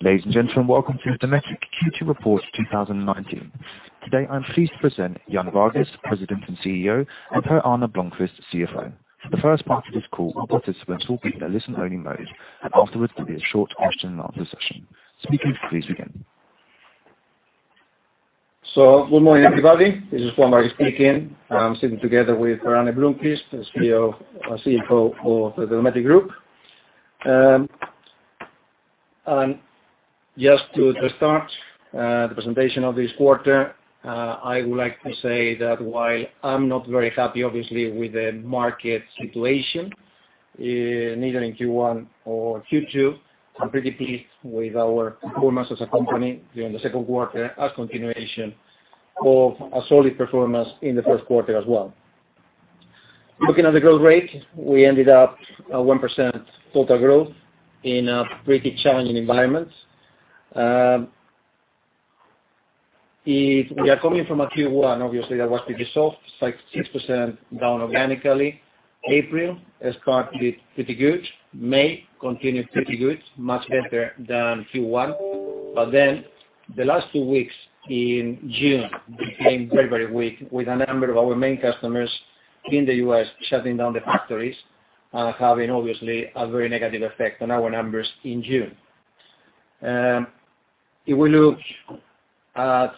Ladies and gentlemen, welcome to the Dometic Q2 Report 2019. Today, I'm pleased to present Juan Vargues, President and CEO, and Per-Arne Blomquist, CFO. For the first part of this call, all participants will be in a listen-only mode. Afterwards, there will be a short question and answer session. Speakers, please begin. Good morning, everybody. This is Juan Vargues speaking. I'm sitting together with Per-Arne Blomquist, the CFO of the Dometic Group. Just to start the presentation of this quarter, I would like to say that while I'm not very happy, obviously, with the market situation, neither in Q1 or Q2, I'm pretty pleased with our performance as a company during the second quarter as continuation of a solid performance in the first quarter as well. Looking at the growth rate, we ended up at 1% total growth in a pretty challenging environment. If we are coming from a Q1, obviously that was pretty soft, 6% down organically. April started pretty good. May continued pretty good, much better than Q1. The last two weeks in June became very weak, with a number of our main customers in the U.S. shutting down the factories and having, obviously, a very negative effect on our numbers in June. If we look at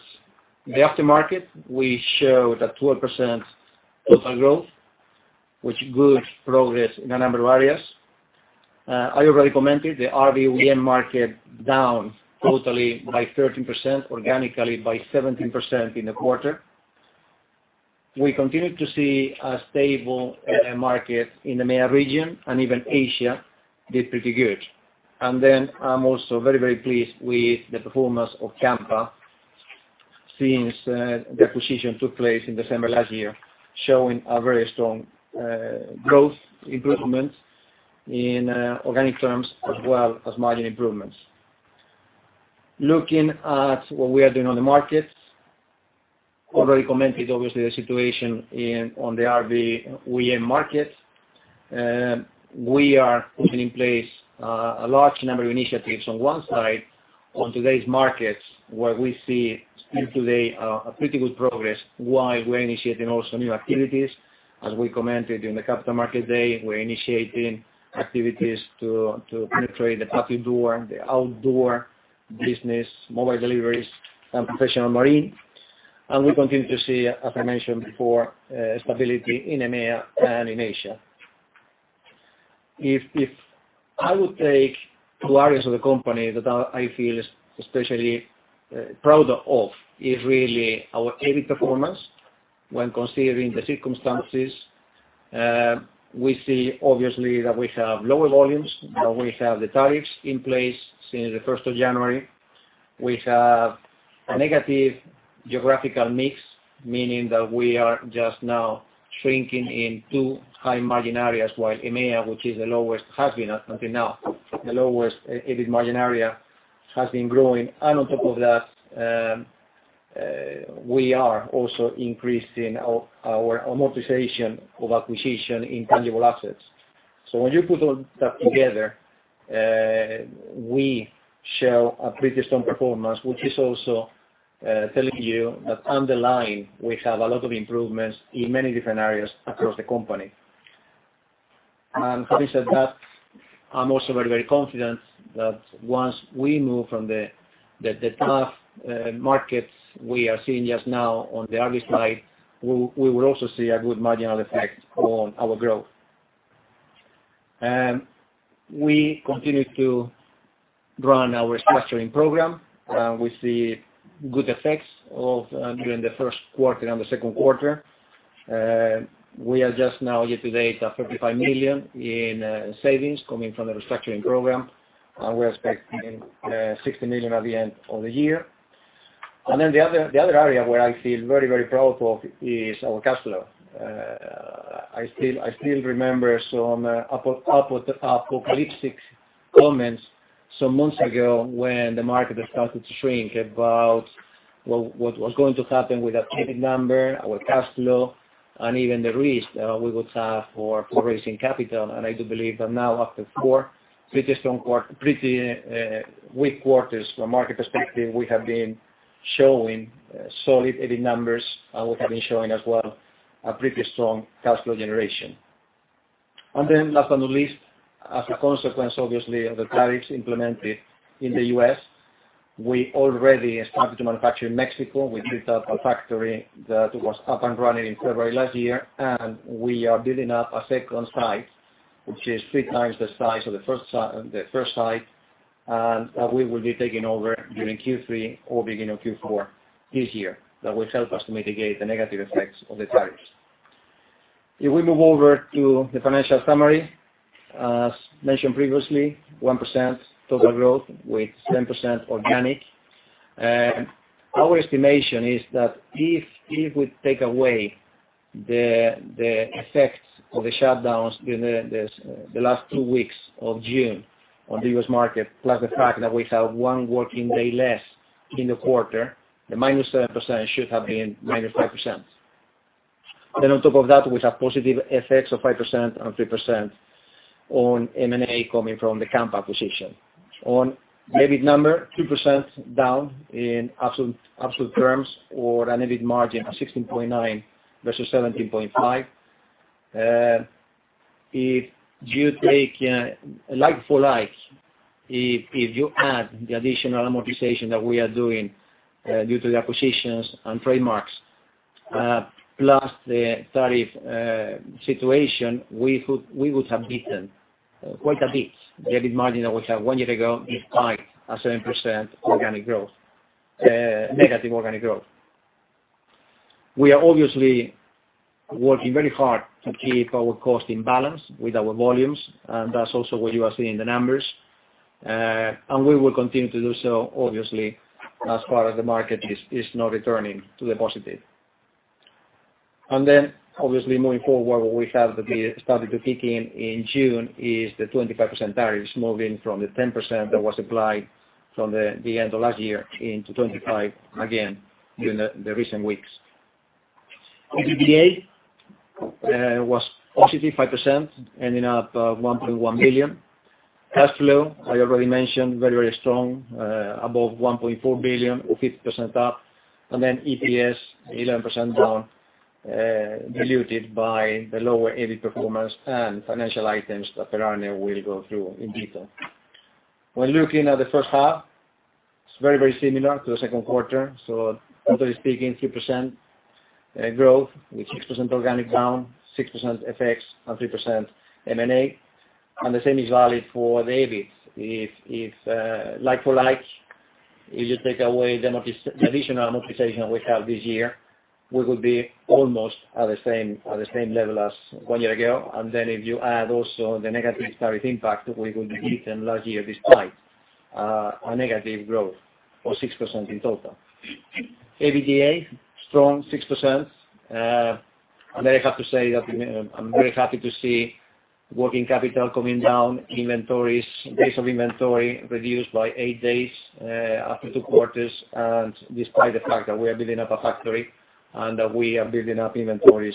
the aftermarket, we show that 12% total growth, with good progress in a number of areas. I already commented the RV OEM market down totally by 13%, organically by 17% in the quarter. We continued to see a stable market in the MEA region and even Asia did pretty good. I'm also very pleased with the performance of Kampa since the acquisition took place in December last year, showing a very strong growth improvement in organic terms as well as margin improvements. Looking at what we are doing on the markets. Already commented, obviously, the situation on the RV OEM market. We are putting in place a large number of initiatives on one side on today's markets where we see still today a pretty good progress while we're initiating also new activities. As we commented during the Capital Markets Day, we're initiating activities to penetrate the puppy door, the outdoor business, mobile deliveries, and professional marine. We continue to see, as I mentioned before, stability in MEA and in Asia. If I would take two areas of the company that I feel especially proud of is really our EBIT performance when considering the circumstances. We see obviously that we have lower volumes, that we have the tariffs in place since the January 1st. We have a negative geographical mix, meaning that we are just now shrinking in two high margin areas while MEA, which has been until now the lowest EBIT margin area, has been growing. On top of that, we are also increasing our amortization of acquisition intangible assets. When you put all that together, we show a pretty strong performance, which is also telling you that underlying, we have a lot of improvements in many different areas across the company. Having said that, I'm also very confident that once we move from the tough markets we are seeing just now on the RV side, we will also see a good marginal effect on our growth. We continued to run our restructuring program. We see good effects during the first quarter and the second quarter. We are just now year to date at 35 million in savings coming from the restructuring program, and we are expecting 60 million at the end of the year. The other area where I feel very proud of is our cash flow. I still remember some apocalyptic comments some months ago when the market started to shrink about what was going to happen with our EBIT number, our cash flow, and even the risk that we would have for raising capital. I do believe that now after four pretty weak quarters from a market perspective, we have been showing solid EBIT numbers, and we have been showing as well a pretty strong cash flow generation. Last but not least, as a consequence, obviously of the tariffs implemented in the U.S., we already started to manufacture in Mexico. We built up a factory that was up and running in February last year, and we are building up a second site, which is three times the size of the first site, and that we will be taking over during Q3 or beginning of Q4 this year. That will help us to mitigate the negative effects of the tariffs. If we move over to the financial summary. As mentioned previously, 1% total growth with 7% organic. Our estimation is that if we take away the effects of the shutdowns during the last two weeks of June on the U.S. market, plus the fact that we have one working day less in the quarter, the -7% should have been -5%. On top of that, we have positive effects of 5% and 3% on M&A coming from the Kampa acquisition. On EBIT number, 2% down in absolute terms or an EBIT margin of 16.9% versus 17.5%. If you take a like-for-like, if you add the additional amortization that we are doing due to the acquisitions and trademarks, plus the tariff situation, we would have beaten quite a bit the EBIT margin that we had one year ago despite a 7% negative organic growth. We are obviously working very hard to keep our cost in balance with our volumes, and that's also what you are seeing in the numbers. We will continue to do so, obviously, as far as the market is now returning to the positive. Obviously moving forward, what we have that we started to kick in June is the 25% tariffs moving from the 10% that was applied from the end of last year into 25% again during the recent weeks. EBITDA was positive 5%, ending up 1.1 billion. Cash flow, I already mentioned, very strong, above 1.4 billion or 50% up. EPS 11% down, diluted by the lower EBIT performance and financial items that Per-Arne will go through in detail. When looking at the first half, it's very similar to the second quarter. Totally speaking, 3% growth with 6% organic down, 6% FX, and 3% M&A. The same is valid for the EBIT. If like for like, if you take away the additional amortization we have this year, we could be almost at the same level as one year ago. If you add also the negative tariff impact, we could be beaten last year despite a negative growth of 6% in total. EBITDA, strong 6%. There I have to say that I'm very happy to see working capital coming down, inventories, days of inventory reduced by eight days after two quarters. Despite the fact that we are building up a factory and that we are building up inventories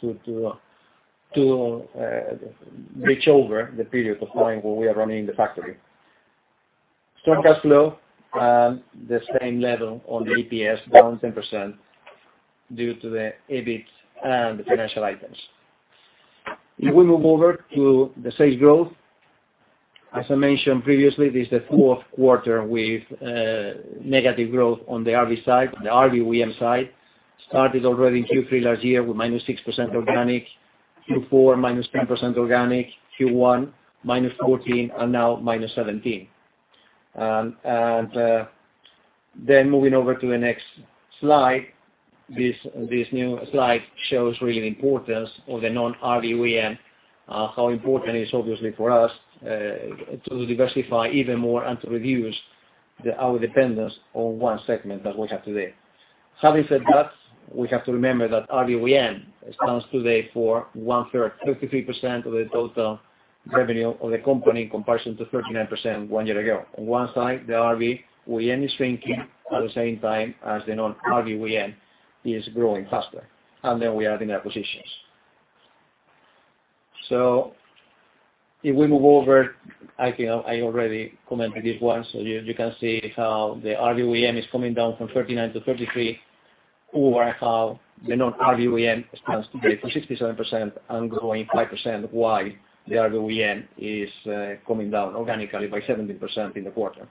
to bridge over the period of time where we are running the factory. Strong cash flow. The same level on the EPS, down 10% due to the EBIT and the financial items. We move over to the sales growth, as I mentioned previously, this is the fourth quarter with negative growth on the RV side. The RV OEM side started already in Q3 last year with -6% organic, Q4, -10% organic, Q1, -14%, and now -17%. Moving over to the next slide. This new slide shows really the importance of the non-RV OEM how important it is obviously for us to diversify even more and to reduce our dependence on one segment that we have today. Having said that, we have to remember that RV OEM stands today for 1/3, 33% of the total revenue of the company, in comparison to 39% one year ago. On one side, the RV OEM is shrinking at the same time as the non-RV OEM is growing faster. We are adding acquisitions. We move over, I already commented this one. You can see how the RV OEM is coming down from 39% to 33% over how the non-RV OEM stands today for 67% and growing 5%, while the RV OEM is coming down organically by 17% in the quarter.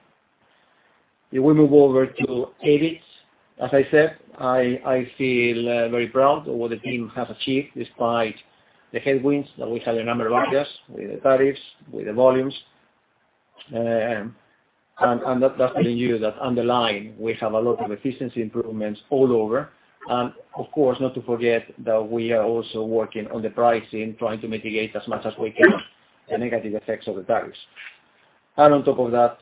We move over to EBIT. As I said, I feel very proud of what the team has achieved despite the headwinds that we had a number of us with the tariffs, with the volumes. That's telling you that underlying, we have a lot of efficiency improvements all over. Of course, not to forget that we are also working on the pricing, trying to mitigate as much as we can the negative effects of the tariffs. On top of that,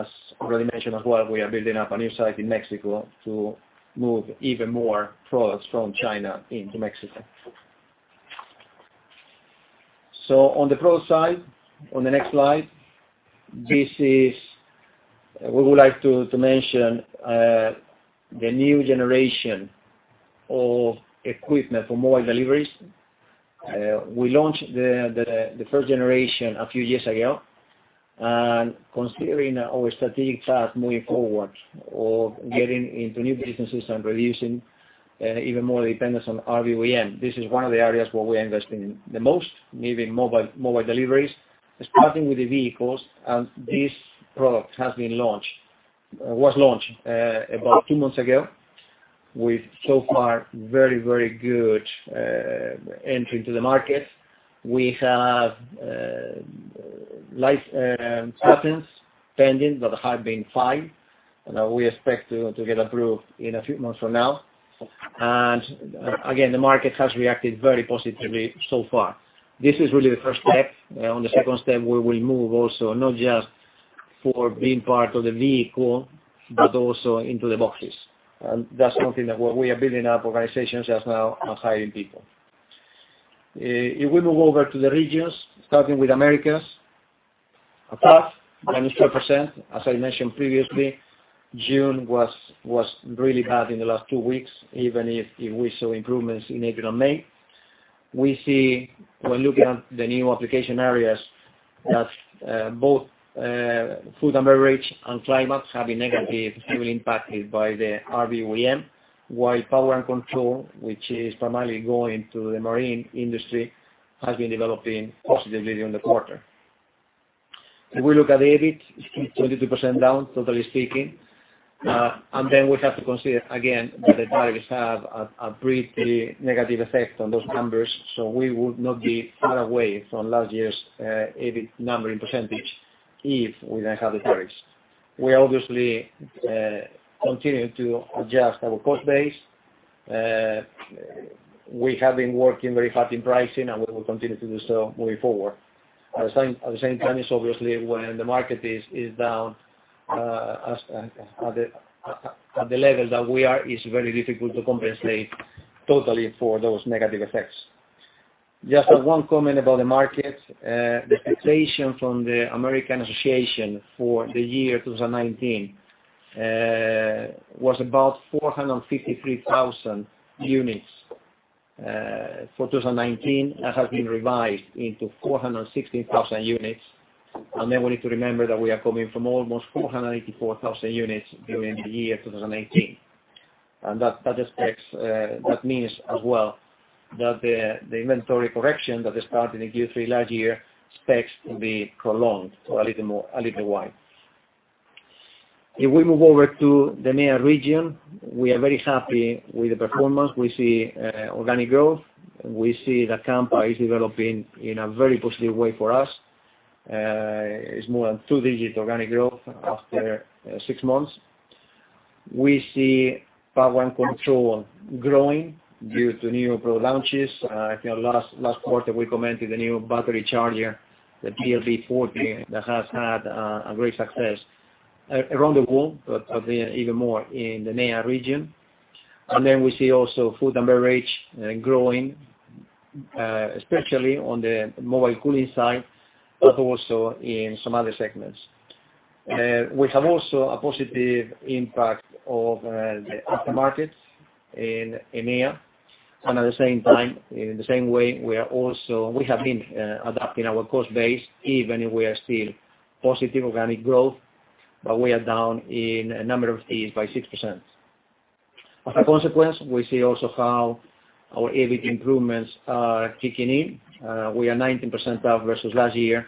as already mentioned as well, we are building up a new site in Mexico to move even more products from China into Mexico. On the pro side, on the next slide, we would like to mention the new generation of equipment for mobile deliveries. We launched the first generation a few years ago. Considering our strategic task moving forward of getting into new businesses and reducing even more dependence on RV OEM, this is one of the areas where we invest in the most, maybe mobile deliveries, starting with the vehicles. This product was launched about two months ago with so far very good entry into the market. We have license pending that have been filed, we expect to get approved in a few months from now. Again, the market has reacted very positively so far. This is really the first step. The second step, we will move also not just for being part of the vehicle, but also into the boxes. That's something that we are building up organizations just now and hiring people. If we move over to the regions, starting with Americas. A drop of -12%, as I mentioned previously, June was really bad in the last two weeks, even if we saw improvements in April and May. We see when looking at the new application areas that both Food & Beverage and Climate have been negatively impacted by the RV OEM, while power and control, which is primarily going to the marine industry, has been developing positively during the quarter. If we look at the EBIT, it's 22% down, totally speaking. Then we have to consider again that the tariffs have a pretty negative effect on those numbers. We would not be far away from last year's EBIT number in percentage if we didn't have the tariffs. We obviously continue to adjust our cost base. We have been working very hard in pricing, and we will continue to do so moving forward. At the same time, obviously, when the market is down at the level that we are, it's very difficult to compensate totally for those negative effects. Just one comment about the market. The expectation from the RVIA for 2019 was about 453,000 units. For 2019, that has been revised into 416,000 units. Then we need to remember that we are coming from almost 484,000 units during 2018. That means as well that the inventory correction that started in Q3 last year expects to be prolonged or a little wide. If we move over to the NEAR region, we are very happy with the performance. We see organic growth. We see that Kampa is developing in a very positive way for us. It's more than two-digit organic growth after six months. We see power and control growing due to new product launches. I think last quarter, we commented the new battery charger, the PLB40, that has had a great success around the world, but even more in the NEAR region. Then we see also Food & Beverage growing, especially on the mobile cooling side, but also in some other segments. We have also a positive impact of the aftermarket in EMEA. At the same time, in the same way, we have been adapting our cost base, even if we are still positive organic growth, but we are down in number of fees by 6%. As a consequence, we see also how our EBIT improvements are kicking in. We are 19% up versus last year,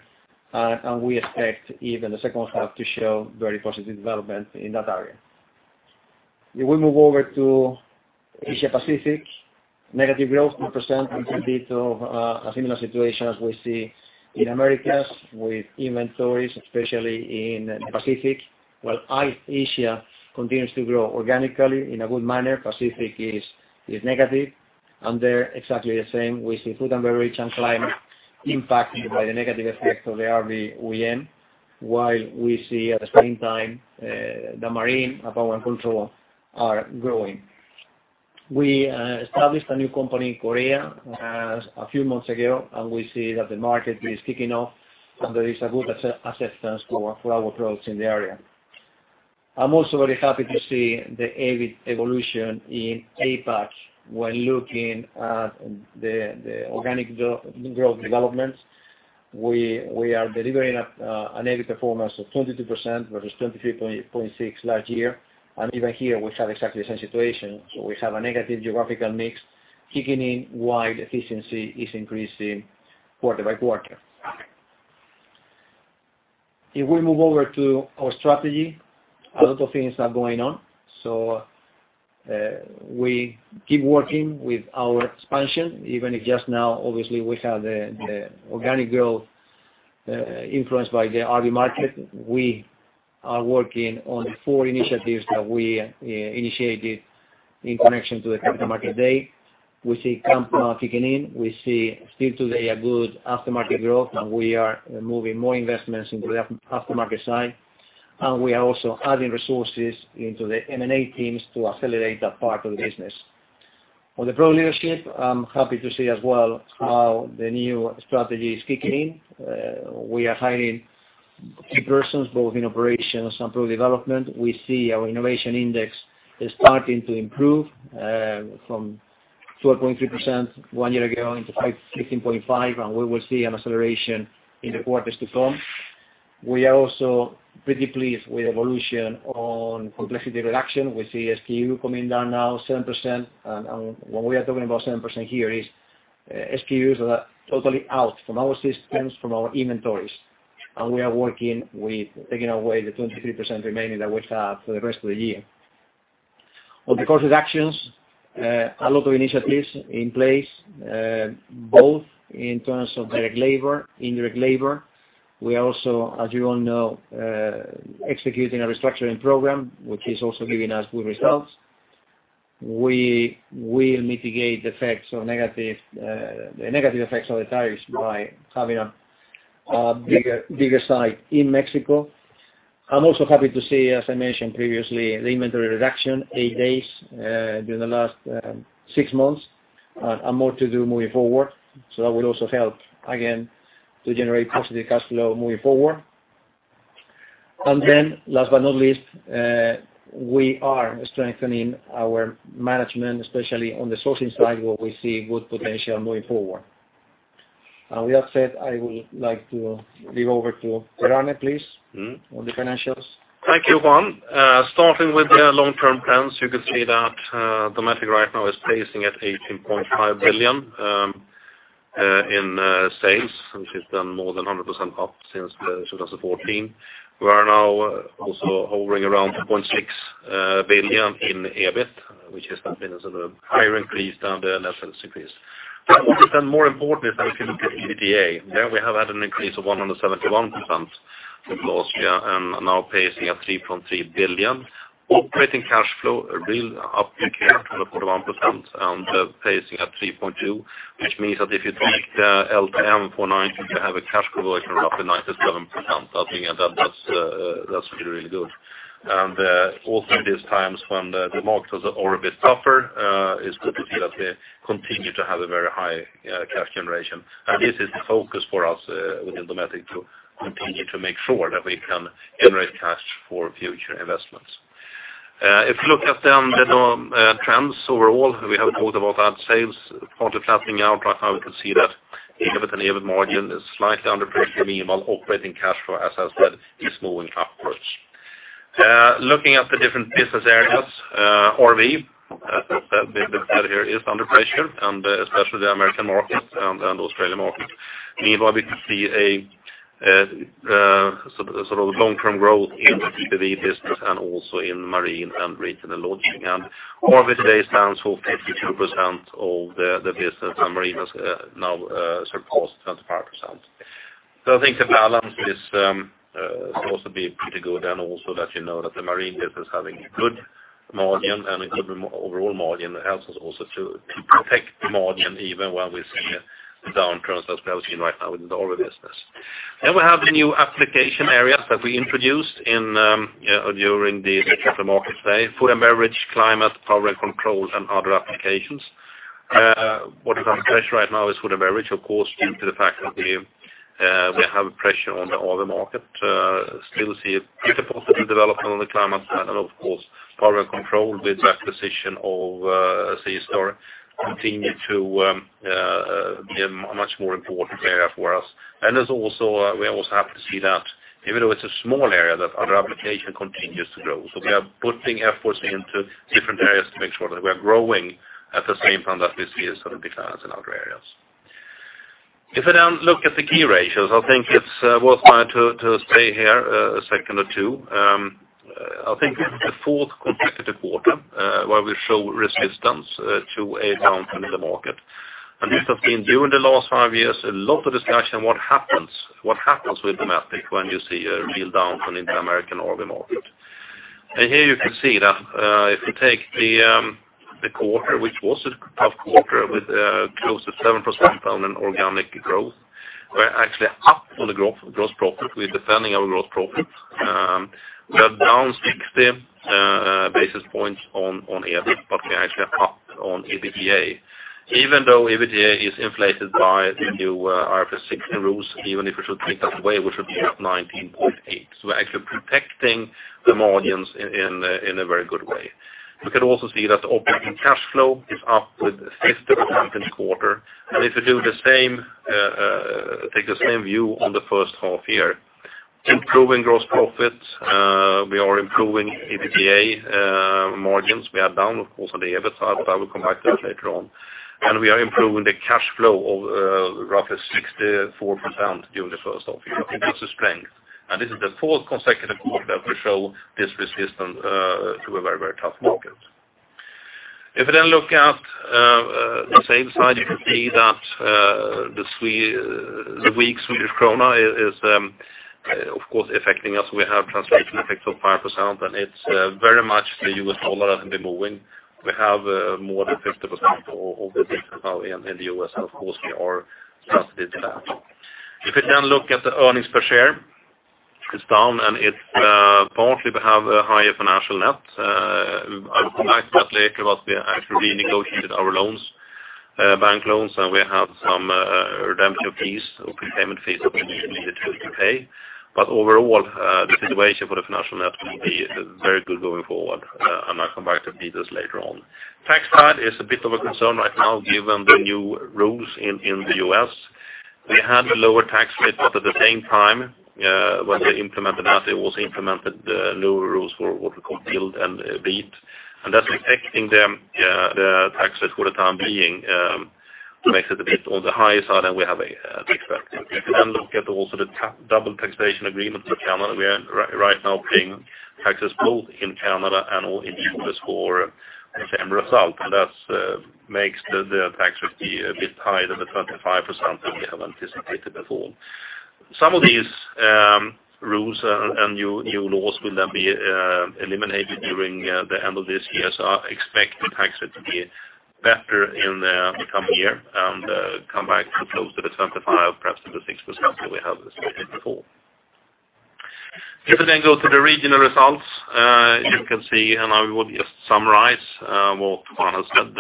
we expect even the second half to show very positive development in that area. If we move over to APAC, negative growth, 2%, a bit of a similar situation as we see in Americas with inventories, especially in Pacific. While Asia continues to grow organically in a good manner, Pacific is negative. There exactly the same with the Food & Beverage and Climate impacted by the negative effects of the RV OEM, while we see at the same time the marine power and control are growing. We established a new company in Korea a few months ago. We see that the market is kicking off, and there is a good acceptance for our products in the area. I'm also very happy to see the EBIT evolution in APAC when looking at the organic growth developments. We are delivering an EBIT performance of 22% versus 23.6% last year. Even here, we have exactly the same situation. We have a negative geographical mix kicking in while efficiency is increasing quarter by quarter. We move over to our strategy, a lot of things are going on. We keep working with our expansion, even if just now, obviously, we have the organic growth influenced by the RV market. We are working on the four initiatives that we initiated in connection to the Capital Markets Day. We see Kampa kicking in. We see still today a good aftermarket growth. We are moving more investments into the aftermarket side. We are also adding resources into the M&A teams to accelerate that part of the business. On the Product Leadership, I'm happy to see as well how the new strategy is kicking in. We are hiring key persons both in operations and product development. We see our innovation index is starting to improve from 12.3% one year ago into 15.5%, and we will see an acceleration in the quarters to come. We are also pretty pleased with evolution on complexity reduction. We see SKU coming down now 7%. When we are talking about 7% here is SKUs that are totally out from our systems, from our inventories. We are working with taking away the 23% remaining that we have for the rest of the year. On the cost reductions, a lot of initiatives in place both in terms of direct labor, indirect labor. We are also, as you all know executing a restructuring program, which is also giving us good results. We will mitigate the negative effects of the tariffs by having a bigger site in Mexico. I'm also happy to see, as I mentioned previously, the inventory reduction, eight days during the last six months, and more to do moving forward. That will also help again to generate positive cash flow moving forward. Last but not least, we are strengthening our management, especially on the sourcing side, where we see good potential moving forward. With that said, I would like to leave over to Per-Arne, please, on the financials. Thank you, Juan. Starting with the long-term trends, you can see that Dometic right now is pacing at 18.5 billion in sales, which is done more than 100% up since 2014. We are now also hovering around 2.6 billion in EBIT, which has been a sort of higher increase than the net sales increase. More importantly, if you look at EBITDA, there we have had an increase of 171% the last year and are now pacing at 3.3 billion. Operating cash flow, really up big here, 141%, and pacing at 3.2 billion, which means that if you take the LTM for 2019, we have a cash conversion of 97%. I think that's really good. Also, in these times when the markets are a bit tougher, it's good to see that we continue to have a very high cash generation. This is the focus for us within Dometic, to continue to make sure that we can generate cash for future investments. You look at the trends overall, we have talked about our sales plateauing out right now. We can see that the EBIT and EBIT margin is slightly under pressure meanwhile operating cash flow as I said, is moving upwards. Looking at the different business areas, RV, the big bit here is under pressure, and especially the American markets and Australian markets. Meanwhile, we can see a sort of long-term growth in the PD business and also in marine and regional lodging. RV today stands for 52% of the business, and marine has now surpassed 25%. I think the balance is supposed to be pretty good, and also that you know that the marine business is having a good margin and a good overall margin that helps us also to protect the margin even when we see downturns as we have seen right now within the RV business. We have the new application areas that we introduced during the Capital Markets Day: Food & Beverage, Climate, Power, and Control, and other applications. What is under pressure right now is Food & Beverage, of course, due to the fact that we have a pressure on the oil market. Still see a bit of positive development on the Climate side and of course, Power, and Control with acquisition of SeaStar continue to be a much more important area for us. We are also happy to see that even though it's a small area, that other application continues to grow. We are putting efforts into different areas to make sure that we are growing at the same time that we see a sort of decline in other areas. I then look at the key ratios, I think it's worthwhile to stay here a second or two. I think this is the fourth consecutive quarter where we show resistance to a downturn in the market. This has been, during the last five years, a lot of discussion what happens with Dometic when you see a real downturn in the American RV market. Here you can see that if you take the quarter, which was a tough quarter with close to 7% down in organic growth, we're actually up on the gross profit. We're defending our gross profit. We are down 60 basis points on EBIT, we're actually up on EBITDA, even though EBITDA is inflated by the new IFRS 16 rules. Even if we should take that away, we should be up 19.8%. We're actually protecting the margins in a very good way. We can also see that operating cash flow is up with sixth consecutive quarter. If you take the same view on the first half year, improving gross profit, we are improving EBITDA margins. We are down, of course, on the EBIT side, I will come back to that later on. We are improving the cash flow of roughly 64% during the first half year. I think this is strength, and this is the fourth consecutive quarter that we show this resistance to a very tough market. If you look at the same slide, you can see that the weak Swedish krona is, of course, affecting us. We have translation effects of 5%, it's very much the US dollar that has been moving. We have more than 50% of the business now in the U.S., and of course, we are translated to that. If you look at the earnings per share, it's down, and it's partly we have a higher financial net. I will come back to that later, we actually renegotiated our loans, bank loans, and we have some redemption fees or prepayment fees that we needed to pay. Overall, the situation for the financial net will be very good going forward, and I'll come back to this later on. Tax side is a bit of a concern right now given the new rules in the U.S. We had a lower tax rate, at the same time, when we implemented that, it also implemented the new rules for what we call GILTI and BEAT. That's protecting the tax rate for the time being, makes it a bit on the higher side than we have expected. If you look at also the double taxation agreement with Canada, we are right now paying taxes both in Canada and in the U.S. for the same result, that makes the tax rate be a bit higher than the 25% that we have anticipated before. Some of these rules and new laws will then be eliminated during the end of this year. I expect the tax rate to be better in the coming year and come back to close to the 25%, perhaps to the 6% that we have displayed before. If we go to the regional results, you can see, I will just summarize what Juan has said,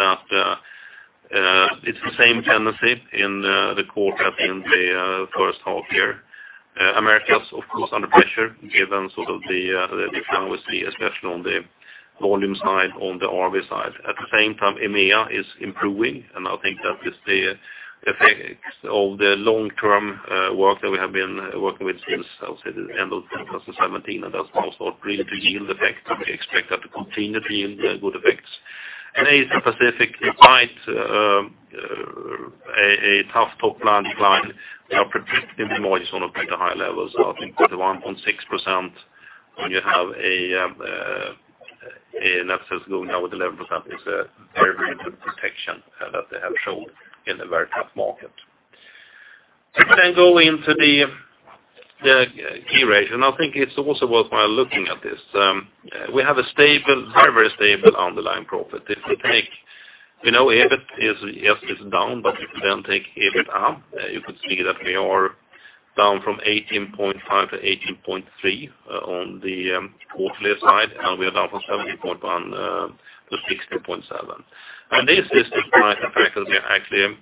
that it's the same tendency in the quarter in the first half year. Americas, of course, under pressure given the difference we see especially on the volume side, on the RV side. At the same time, EMEA is improving, I think that is the effect of the long-term work that we have been working with since, I'll say, the end of 2017, that's now start really to yield effect, we expect that to continue to yield good effects. Asia Pacific, quite a tough top-line decline. We are protecting the margins on a pretty high level. I think 31.6% when you have a net sales going down 11% is a very good protection that they have shown in a very tough market. If we go into the key ratio, I think it's also worthwhile looking at this. We have a very stable underlying profit. We know EBIT is down, if you take EBIT up, you can see that we are down from 18.5% to18.3% on the quarterly side, we are down from 17.1% to 16.7%. This is despite the fact that we are actually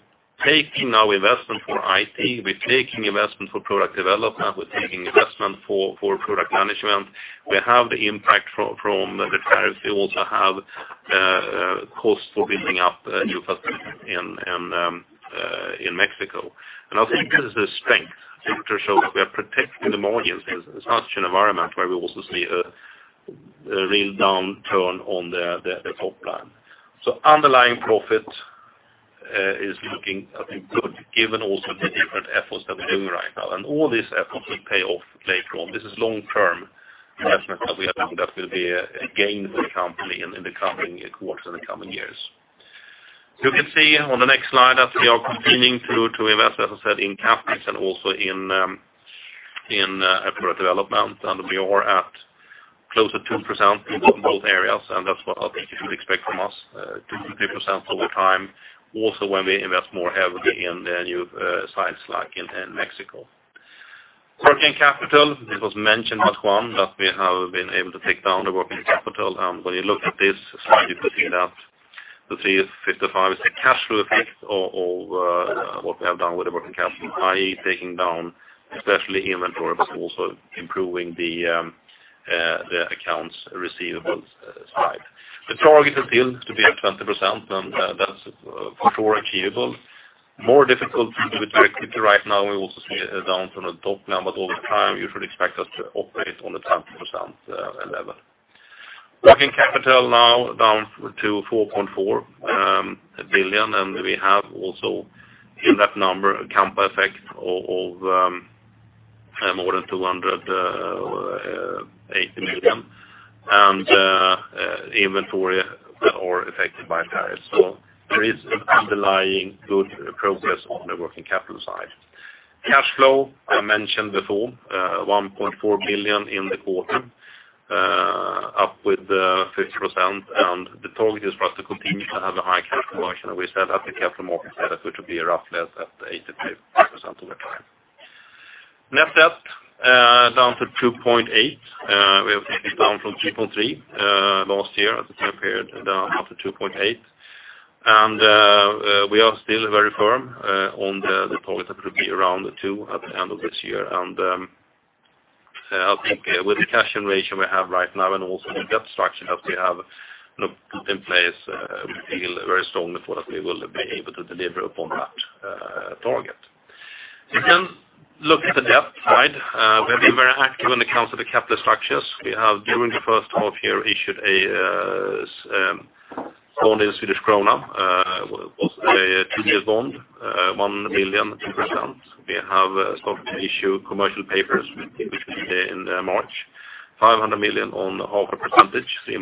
taking now investment for IT, we're taking investment for product development, we're taking investment for product management. We have the impact from the Paris. We also have cost for building up new capacity in Mexico. I think this is the strength to show that we are protecting the margins in such an environment where we also see a real downturn on the top line. Underlying profit is looking good given also the different efforts that we're doing right now. All these efforts will pay off later on. This is long-term investment that we are doing that will be a gain for the company in the coming quarters, in the coming years. You can see on the next slide that we are continuing to invest, as I said, in CapEx and also in product development, and we are at closer to 2% in both areas, and that's what I think you should expect from us, 2%-3% over time. Also when we invest more heavily in the new sites like in Mexico. Working capital, it was mentioned by Juan that we have been able to take down the working capital. When you look at this slide, you could see that the 3.55 is a cash flow effect of what we have done with the working capital, i.e., taking down especially inventory, but also improving the accounts receivable side. The target is still to be at 20%, and that's for sure achievable. More difficult to do with the activity right now, we also see a down from the top now, but all the time you should expect us to operate on the 20% level. Working capital now down to 4.4 billion, and we have also in that number a Kampa effect of more than 280 million, and inventory are affected by tariffs. There is underlying good progress on the working capital side. Cash flow, I mentioned before, 1.4 billion in the quarter, up with 50%, and the target is for us to continue to have a high cash conversion, we said at the Capital Markets Day that we could be roughly at 85% of the time. Net debt down to 2.8 billion. We have taken it down from 3.3 billion last year at the same period, down to 2.8 billion. We are still very firm on the target that will be around two at the end of this year. I think with the cash generation we have right now and also the debt structure that we have in place, we feel very strongly for that we will be able to deliver upon that target. We can look at the debt side. We have been very active when it comes to the capital structures. We have, during the first half year, issued a bond in Swedish krona, was a two-year bond, 1 billion, 2%. We have started to issue commercial papers in March, 500 million on offer percentage, three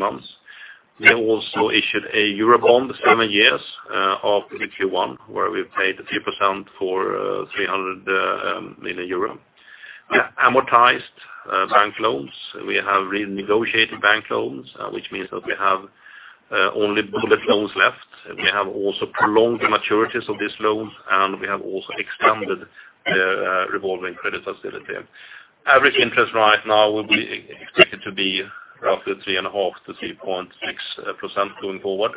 months. We have also issued a EUR bond, seven years of 51, where we paid 3% for 300 million euro. We have amortized bank loans. We have renegotiated bank loans, which means that we have only bullet loans left. We have also prolonged the maturities of this loan, and we have also expanded the revolving credit facility. Average interest right now will be expected to be roughly 3.5%-3.6% going forward.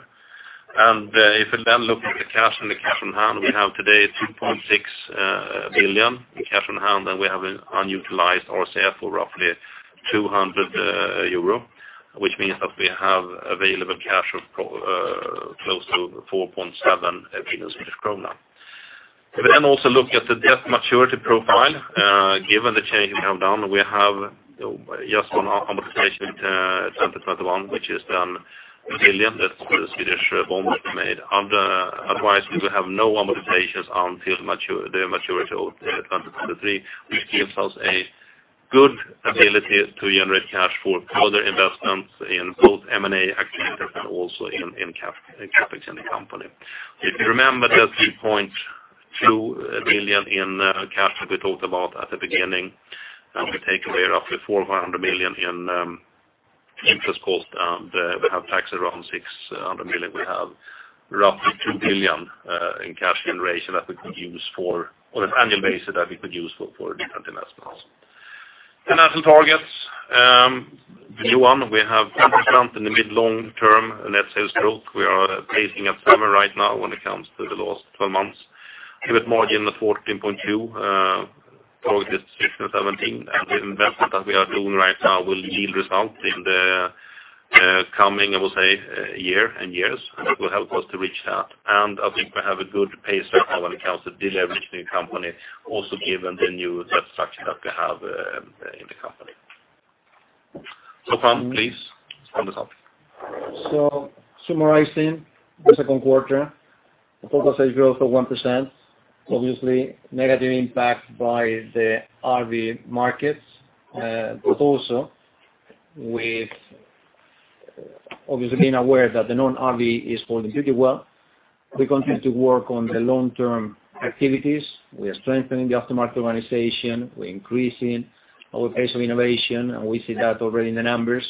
If we then look at the cash and the cash on hand, we have today 2.6 billion in cash on hand, and we have unutilized RCF for roughly 200 million euro, which means that we have available cash of close to 4.7 billion Swedish krona. If we also look at the debt maturity profile, given the change we have done, we have just one amortization in 2021, which is SEK 1 billion. That's the Swedish bond that we made. Otherwise, we will have no amortizations until the maturity of 2023, which gives us a good ability to generate cash for further investments in both M&A activities and also in CapEx in the company. If you remember that three. 2 billion in cash that we talked about at the beginning. We take away roughly 400 million in interest cost, and we have tax around 600 million. We have roughly 2 billion in cash generation that we could use for, on an annual basis, that we could use for different investments. Financial targets. The new one, we have 10% in the mid-long term net sales growth. We are pacing at 7% right now when it comes to the last 12 months. EBIT margin of 14.2%. Target is 15%-17%. The investment that we are doing right now will yield results in the coming, I will say, year and years, and it will help us to reach that. I think we have a good pace when it comes to deleveraging the company. Also given the new debt structure that we have in the company. Juan, please, sum this up. Summarizing the second quarter. Focus on growth of 1%. Obviously negative impact by the RV markets. Also with obviously being aware that the non-RV is holding pretty well. We continue to work on the long-term activities. We are strengthening the aftermarket organization. We're increasing our pace of innovation, and we see that already in the numbers.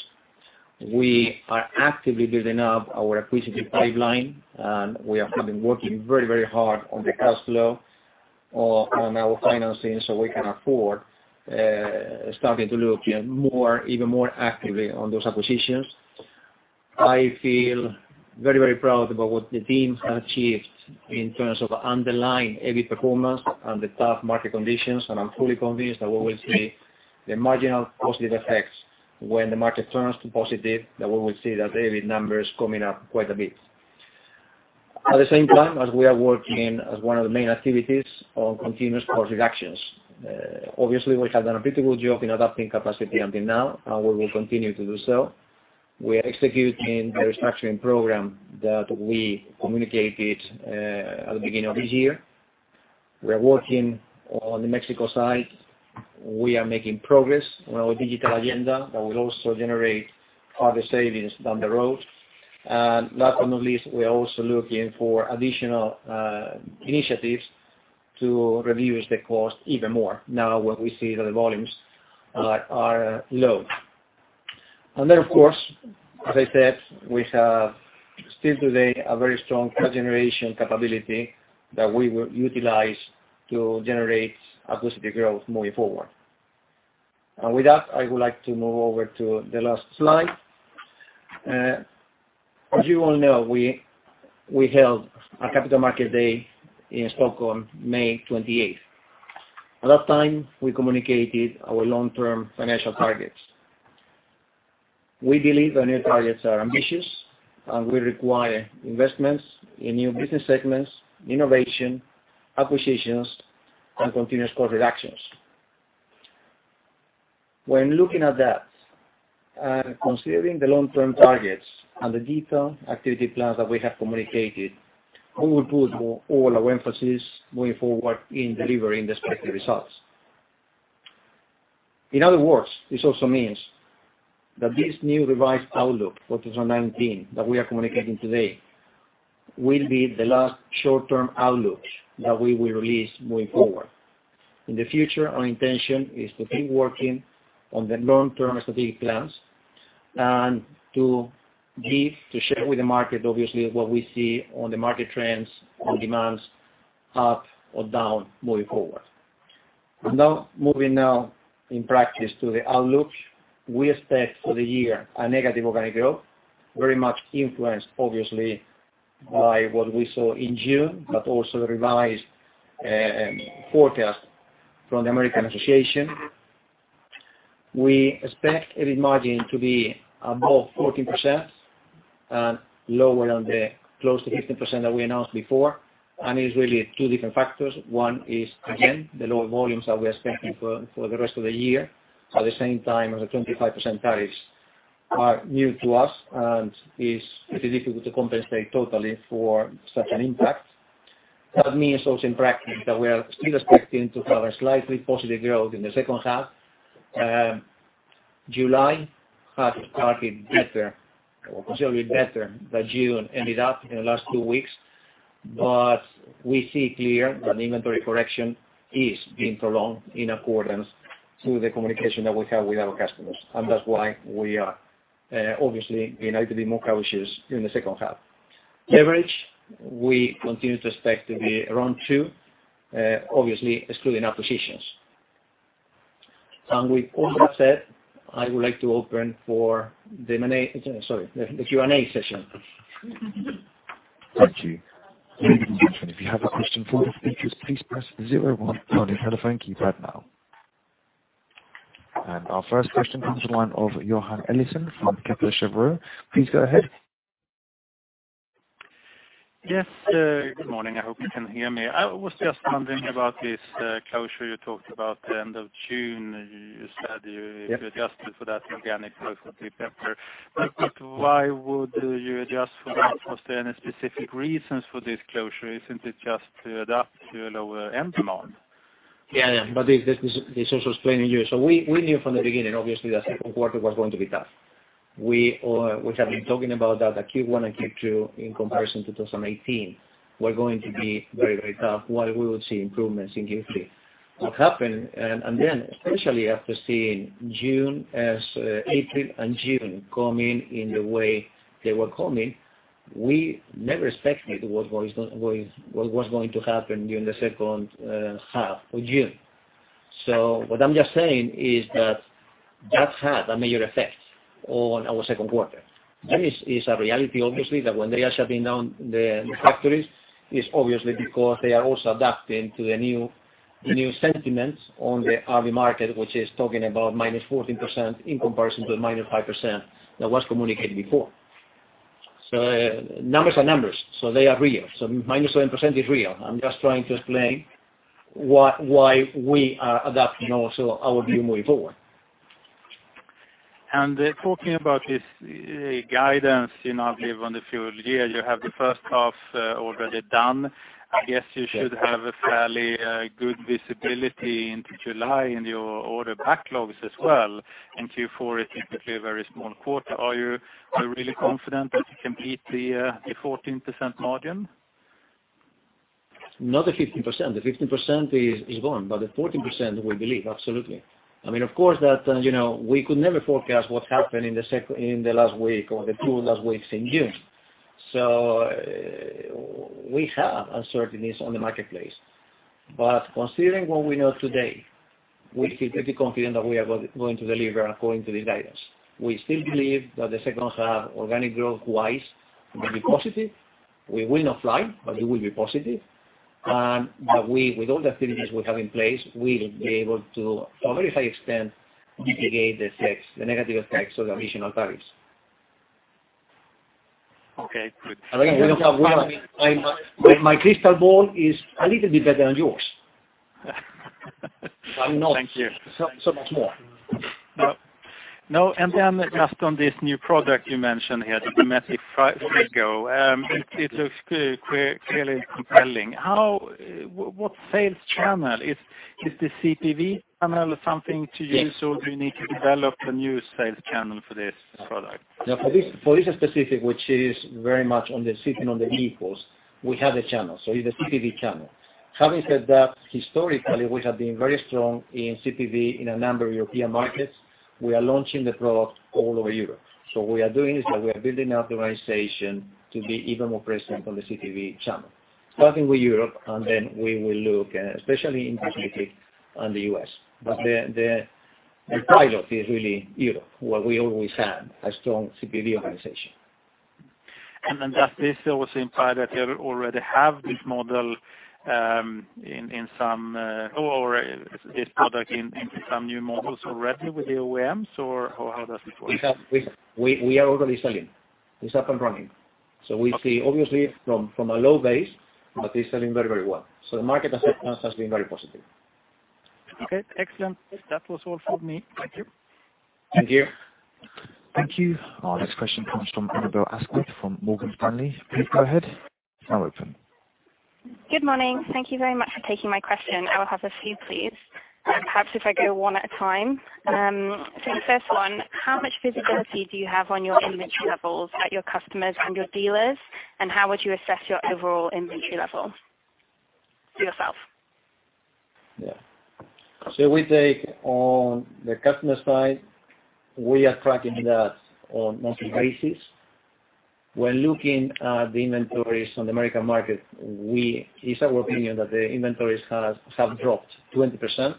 We are actively building up our acquisition pipeline, and we have been working very hard on the cash flow on our financing so we can afford starting to look even more actively on those acquisitions. I feel very proud about what the teams have achieved in terms of underlying EBIT performance under tough market conditions, and I'm fully convinced that we will see the marginal positive effects when the market turns to positive, that we will see that EBIT numbers coming up quite a bit. At the same time, as we are working as one of the main activities on continuous cost reductions. Obviously, we have done a pretty good job in adapting capacity until now, and we will continue to do so. We are executing the restructuring program that we communicated at the beginning of this year. We are working on the Mexico side. We are making progress on our digital agenda. That will also generate further savings down the road. Last but not least, we are also looking for additional initiatives to reduce the cost even more now that we see that the volumes are low. Then of course, as I said, we have still today a very strong cash generation capability that we will utilize to generate a positive growth moving forward. With that, I would like to move over to the last slide. As you all know, we held our Capital Markets Day in Stockholm May 28th. At that time, we communicated our long-term financial targets. We believe our new targets are ambitious and will require investments in new business segments, innovation, acquisitions, and continuous cost reductions. When looking at that and considering the long-term targets and the detailed activity plans that we have communicated, we will put all our emphasis moving forward in delivering the expected results. In other words, this also means that this new revised outlook for 2019 that we are communicating today will be the last short-term outlook that we will release moving forward. In the future, our intention is to keep working on the long-term strategic plans and to share with the market obviously, what we see on the market trends and demands up or down moving forward. Now, moving now in practice to the outlook. We expect for the year a negative organic growth, very much influenced obviously by what we saw in June, but also the revised forecast from the RVIA. We expect EBIT margin to be above 14% and lower than the close to 15% that we announced before. It's really two different factors. One is again, the lower volumes that we are expecting for the rest of the year. At the same time as the 25% tariffs are new to us and is pretty difficult to compensate totally for such an impact. That means also in practice that we are still expecting to have a slightly positive growth in the second half. July has started better, considerably better than June ended up in the last two weeks. We see clear that inventory correction is being prolonged in accordance to the communication that we have with our customers. That's why we are obviously being a little bit more cautious in the second half. Leverage, we continue to expect to be around two, obviously excluding acquisitions. With all that said, I would like to open for the Q&A session. Thank you. Operator, if you have a question for the speakers, please press zero on your telephone keypad now. Our first question comes from the line of Johan Eliason from Kepler Cheuvreux. Please go ahead. Yes. Good morning. I hope you can hear me. I was just wondering about this closure you talked about the end of June. You said you adjusted for that organic growth a bit better. Why would you adjust for that? Was there any specific reasons for this closure? Isn't it just to adapt to a lower end demand? Yeah. This is also explaining to you. We knew from the beginning, obviously, that second quarter was going to be tough. We have been talking about that Q1 and Q2 in comparison to 2018 were going to be very tough, while we would see improvements in Q3. What happened, especially after seeing April and June come in in the way they were coming, we never expected what was going to happen during the second half of June. What I'm just saying is that had a major effect on our second quarter. It's a reality, obviously, that when they are shutting down the factories, it's obviously because they are also adapting to the new sentiments on the RV market, which is talking about -14% in comparison to the -5% that was communicated before. Numbers are numbers, so they are real. -17% is real. I'm just trying to explain why we are adapting also our view moving forward. Talking about this guidance on the full year, you have the first half already done. I guess you should have a fairly good visibility into July in your order backlogs as well, and Q4 is typically a very small quarter. Are you really confident that you can beat the 14% margin? Not the 15%. The 15% is gone, but the 14% we believe, absolutely. I mean, of course, we could never forecast what happened in the last week or the two last weeks in June. We have uncertainties on the marketplace. Considering what we know today, we feel pretty confident that we are going to deliver according to the guidance. We still believe that the second half, organic growth-wise, will be positive. We will not fly, but it will be positive. That with all the activities we have in place, we will be able to a very high extent, mitigate the effects, the negative effects of additional tariffs. Okay, good. Again, we don't have a crystal ball. My crystal ball is a little bit better than yours. Thank you. Not so much more. No. Then just on this new product you mentioned here, the Dometic Frigo. It looks clearly compelling. What sales channel? Is the CPV channel something to use or do you need to develop a new sales channel for this product? No, for this specific, which is very much sitting on the vehicles, we have the channel, so it's a CPV channel. Having said that, historically, we have been very strong in CPV in a number of European markets. We are launching the product all over Europe. What we are doing is we are building the organization to be even more present on the CPV channel, starting with Europe, and then we will look, especially in Pacific and the U.S. The pilot is really Europe, where we always had a strong CPV organization. Does this also imply that you already have this product in some new models already with the OEMs or how does it work? We are already selling. It is up and running. We see obviously from a low base, but it is selling very well. The market acceptance has been very positive. Okay, excellent. That was all from me. Thank you. Thank you. Thank you. Our next question comes from Annabel Asquith from Morgan Stanley. Please go ahead. Now open. Good morning. Thank you very much for taking my question. I will have a few, please. Perhaps if I go one at a time. The first one, how much visibility do you have on your inventory levels at your customers and your dealers, and how would you assess your overall inventory level yourself? Yeah. We take on the customer side, we are tracking that on monthly basis. When looking at the inventories on the American market, it's our opinion that the inventories have dropped 20%.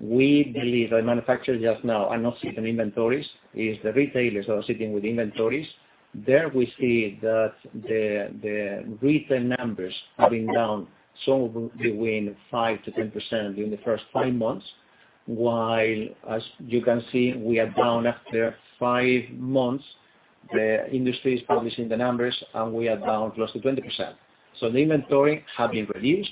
We believe the manufacturers just now are not sitting inventories, it's the retailers who are sitting with inventories. There we see that the retail numbers have been down somewhere between 5%-10% during the first five months, while as you can see, we are down after five months. The industry is publishing the numbers and we are down close to 20%. The inventory have been reduced.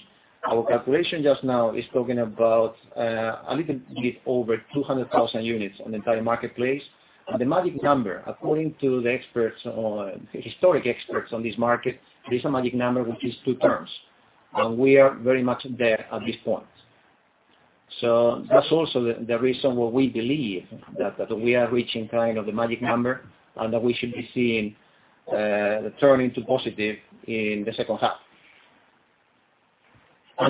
Our calculation just now is talking about a little bit over 200,000 units on the entire marketplace. The magic number, according to the historic experts on this market, there is a magic number which is two turms, and we are very much there at this point. That's also the reason why we believe that we are reaching kind of the magic number, and that we should be seeing turning to positive in the second half.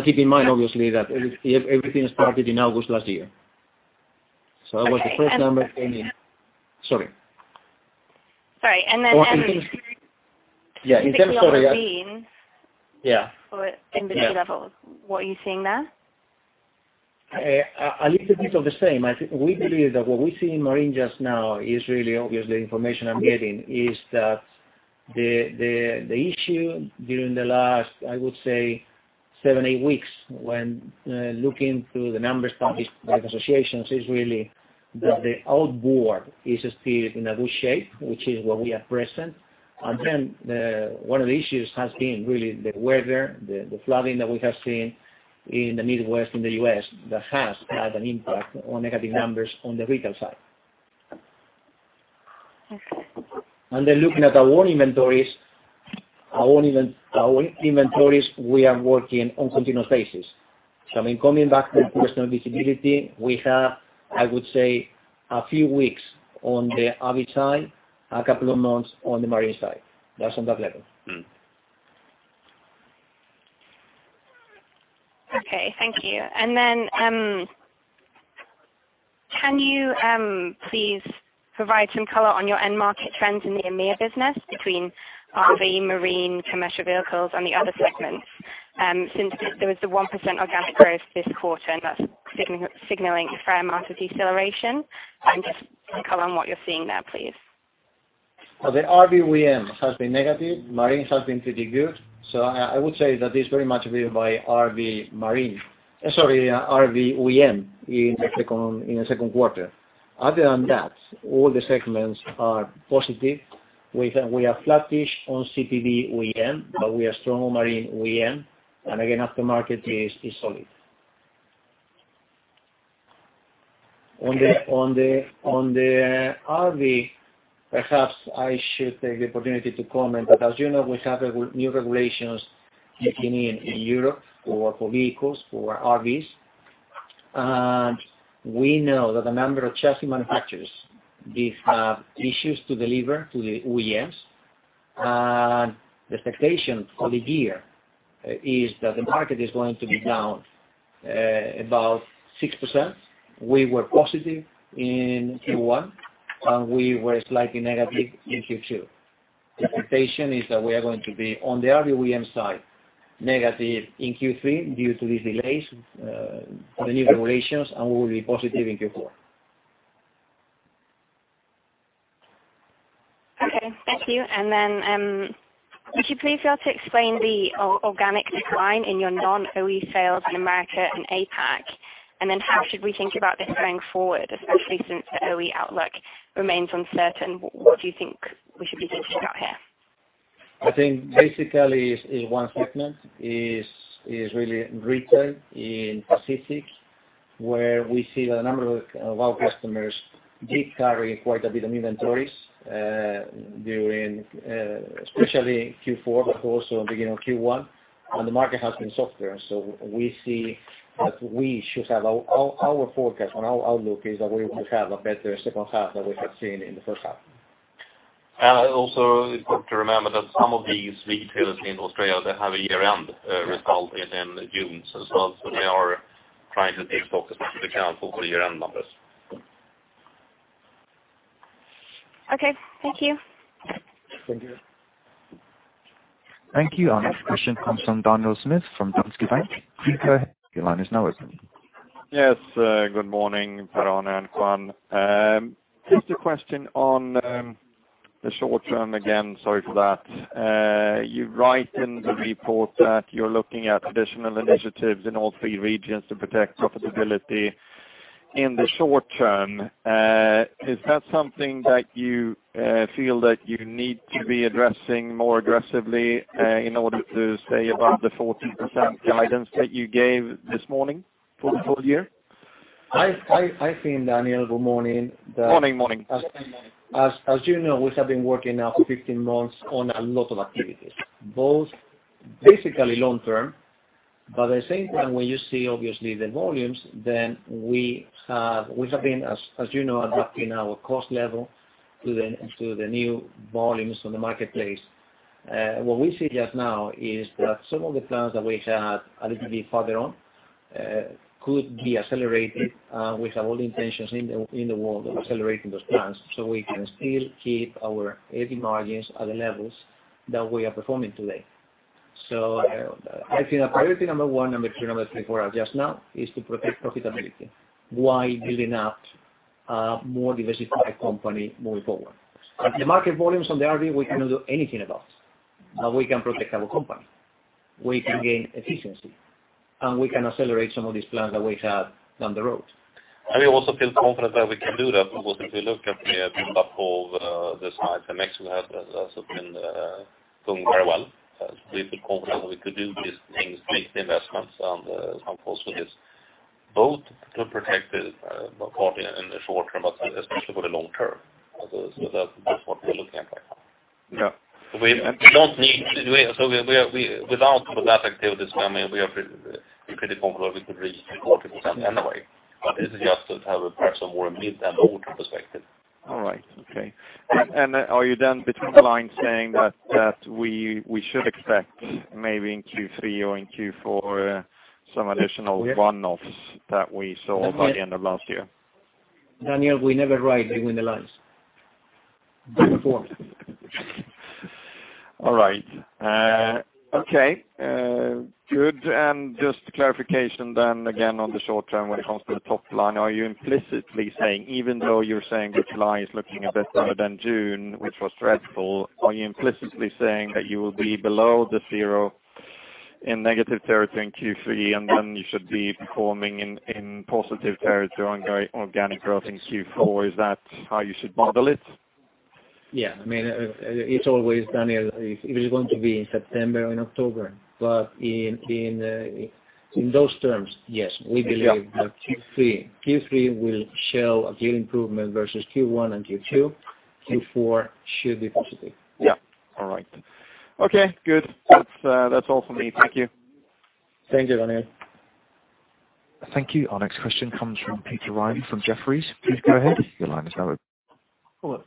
Keep in mind, obviously, that everything started in August last year. That was the first number in the- Okay. Sorry. Sorry. Yeah. In terms of marine. Yeah. Inventory levels, what are you seeing there? A little bit of the same. We believe that what we see in marine just now is really obvious. The information I'm getting is that the issue during the last, I would say seven, eight weeks when looking through the numbers published by the associations is really that the outboard is still in a good shape, which is where we are present. One of the issues has been really the weather, the flooding that we have seen in the Midwest, in the U.S., that has had an impact on negative numbers on the retail side. Looking at our own inventories, we are working on a continuous basis. Coming back to personal visibility, we have, I would say a few weeks on the RV side, a couple of months on the marine side. That's on that level. Okay. Thank you. Can you please provide some color on your end market trends in the EMEA business between RV, marine, commercial vehicles and the other segments? Since there was the 1% organic growth this quarter and that's signaling a fair amount of deceleration. Just color on what you're seeing there, please. The RV OEM has been negative. Marine has been pretty good. I would say that it's very much driven by RV OEM in the second quarter. Other than that, all the segments are positive. We are flattish on CPV OEM, but we are strong on marine OEM. Again, aftermarket is solid. On the RV, perhaps I should take the opportunity to comment, but as you know, we have new regulations kicking in in Europe for vehicles, for RVs, and we know that a number of chassis manufacturers did have issues to deliver to the OEMs. The expectation for the year is that the market is going to be down about 6%. We were positive in Q1, and we were slightly negative in Q2. The expectation is that we are going to be on the RV OEM side, negative in Q3 due to these delays on the new regulations, and we will be positive in Q4. Okay, thank you. Would you please be able to explain the organic decline in your non-OE sales in America and APAC? How should we think about this going forward, especially since the OE outlook remains uncertain? What do you think we should be thinking about here? I think basically it's one segment, is really retail in Pacific, where we see that a number of our customers did carry quite a bit of inventories, during especially Q4, but also beginning of Q1 when the market has been softer. We see that our forecast on our outlook is that we will have a better second half than we have seen in the first half. Also important to remember that some of these retailers in Australia that have a year-end result in June as well. They are trying to take focus into account for the year-end numbers. Okay. Thank you. Thank you. Thank you. Our next question comes from Daniel Schmidt from Danske Bank. Peter, your line is now open. Yes, good morning, Per-Arne and Juan. Just a question on the short term again, sorry for that. You write in the report that you're looking at additional initiatives in all three regions to protect profitability in the short term. Is that something that you feel that you need to be addressing more aggressively in order to stay above the 14% guidance that you gave this morning for the full year? Daniel, good morning. Morning. As you know, we have been working now for 15 months on a lot of activities, both basically long term, but at the same time, when you see obviously the volumes, then we have been, as you know, adapting our cost level to the new volumes on the marketplace. What we see just now is that some of the plans that we had a little bit further on could be accelerated. We have all intentions in the world of accelerating those plans so we can still keep our EBIT margins at the levels that we are performing today. I think priority number one, number two, number three, four are just now is to protect profitability while building up a more diversified company moving forward. The market volumes on the RV, we cannot do anything about. We can protect our company. We can gain efficiency, we can accelerate some of these plans that we have down the road. We also feel confident that we can do that because if you look at the build-up of this half in Mexico has also been going very well. We feel confident we could do these things, make the investments and focus both to protect the company in the short term, but especially for the long term. That's what we're looking at right now. Yeah. Without that activities coming, we are pretty confident we could reach 14% anyway. This is just to have a perhaps a more mid and long-term perspective. All right. Okay. Are you then between the lines saying that we should expect maybe in Q3 or in Q4 some additional one-offs that we saw by the end of last year? Daniel, we never write between the lines. All right. Okay, good. Just clarification then again on the short term when it comes to the top line, are you implicitly saying even though you're saying that July is looking a bit better than June, which was dreadful, are you implicitly saying that you will be below the zero in negative territory in Q3, and then you should be performing in positive territory on organic growth in Q4? Is that how you should model it? Yeah. It's always, Daniel, if it is going to be in September or in October. In those terms, yes. We believe that Q3 will show a clear improvement versus Q1 and Q2. Q4 should be positive. Yeah. All right. Okay, good. That's all for me. Thank you. Thank you, Daniel. Thank you. Our next question comes from Peter Reilly from Jefferies. Please go ahead. Your line is now open. Hello.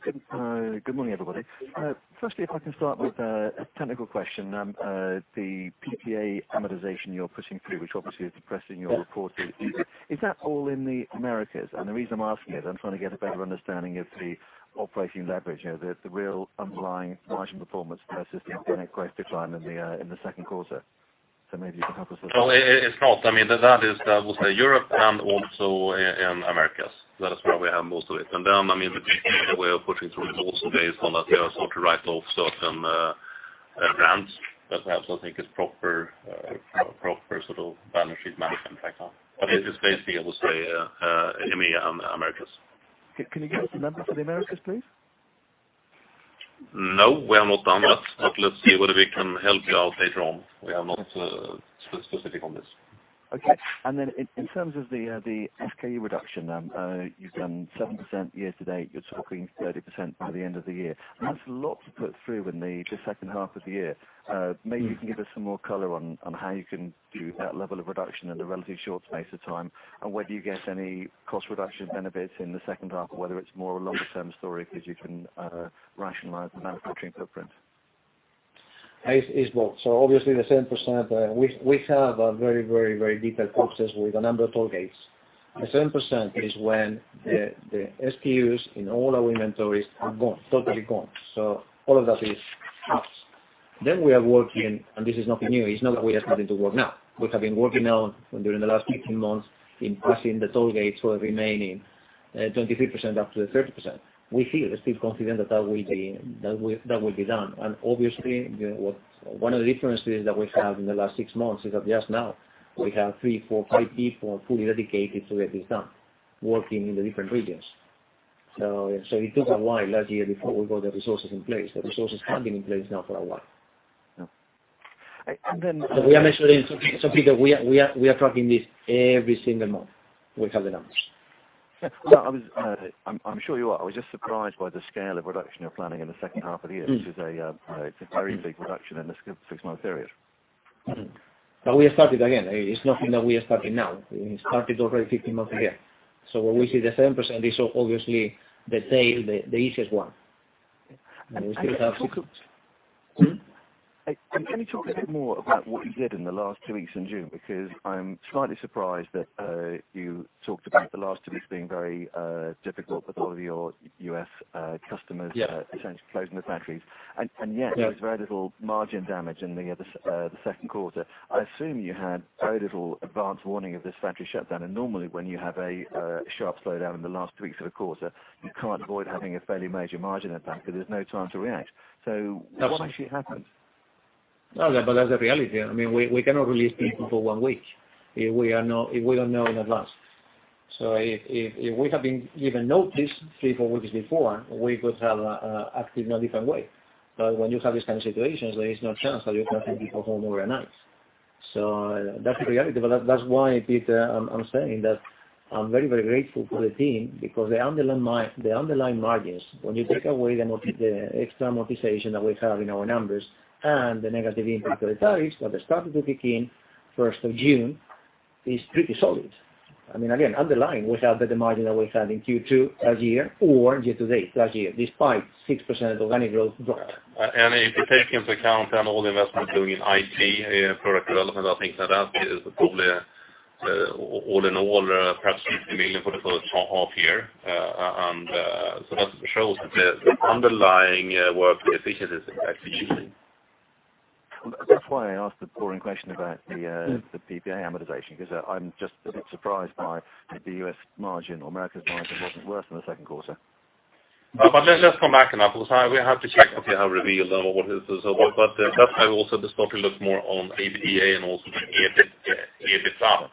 Good morning, everybody. Firstly, if I can start with a technical question. The PPA amortization you're putting through, which obviously is depressing your report. Is that all in the Americas? The reason I'm asking is I'm trying to get a better understanding of the operating leverage, the real underlying margin performance versus the organic growth decline in the second quarter. Maybe you can help us with that. No, it's not. That is, I would say, Europe and also in the Americas. That is where we have most of it. The PPA that we are putting through is also based on us sort of write off certain brands that I also think is proper sort of balance sheet management right now. It is basically, I would say, EMEA and the Americas. Can you give us the numbers for the Americas, please? No, we have not done that. Let's see whether we can help you out later on. We are not specific on this. In terms of the SKU reduction, you've done 7% year-to-date. You're talking 30% by the end of the year. That's a lot to put through in the second half of the year. Maybe you can give us some more color on how you can do that level of reduction in a relatively short space of time, and whether you get any cost reduction benefits in the second half or whether it's more a longer-term story as you can rationalize the manufacturing footprint. It's both. Obviously the 7%, we have a very detailed process with a number of toll gates. The 7% is when the SKUs in all our inventories are gone, totally gone. All of that is out. We are working, and this is nothing new. It's not that we are starting to work now. We have been working now during the last 15 months in passing the toll gates for the remaining 23% up to the 30%. We feel still confident that will be done. Obviously, one of the differences that we have in the last six months is that just now we have three, four, five people fully dedicated to get this done, working in the different regions. It took a while last year before we got the resources in place. The resources have been in place now for a while. Then- Peter, we are tracking this every single month. We have the numbers. Well, I'm sure you are. I was just surprised by the scale of reduction you're planning in the second half of the year. Which is a very big reduction in this six-month period. We have started, again, it's nothing that we are starting now. It started already 15 months ago. When we see the 7%, this obviously details the easiest one. Can you talk a bit more about what you did in the last two weeks in June? I'm slightly surprised that you talked about the last two weeks being very difficult with all of your U.S. customers. Yeah. Essentially closing the factories. Yet there's very little margin damage in the second quarter. I assume you had very little advance warning of this factory shutdown. Normally, when you have a sharp slowdown in the last weeks of a quarter, you can't avoid having a fairly major margin impact because there's no time to react. What actually happened? That's the reality. We cannot release people for one week if we don't know in advance. If we have been given notice three, four weeks before, we could have acted in a different way. When you have these kind of situations, there is no chance that you can send people home overnight. That's the reality. That's why, Peter, I'm saying that I'm very grateful for the team because the underlying margins, when you take away the extra amortization that we have in our numbers and the negative impact of the tariffs that started to kick in 1st of June, is pretty solid. Again, underlying, we have the margin that we had in Q2 last year or year-to-date, last year, despite 6% organic growth drop. If you take into account all the investment doing in IT, product development, and things like that, it is probably all in all perhaps 50 million for the first half year. That shows the underlying work efficiency is actually shifting. That's why I asked the boring question about the PPA amortization, because I'm just a bit surprised by the U.S. margin or Americas margin wasn't worse in the second quarter. Let's come back another time. We have to check exactly how reveal or what is this. That's why also this probably looks more on EBITDA and also the EBIT side.